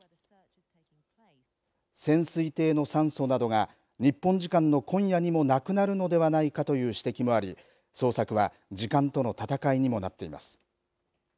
潜水艇の酸素などが日本時間の今夜にもなくなるのではないかという指摘もあり捜索は時間との戦いにもなっています。